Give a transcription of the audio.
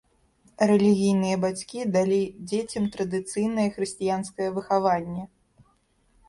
Рэлігійныя бацькі далі дзецям традыцыйнае хрысціянскае выхаванне.